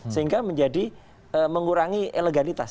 sehingga menjadi mengurangi eleganitas